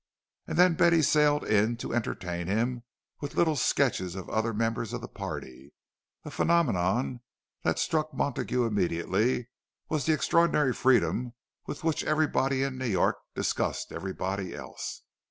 And then Betty sailed in to entertain him with little sketches of other members of the party. A phenomenon that had struck Montague immediately was the extraordinary freedom with which everybody in New York discussed everybody else.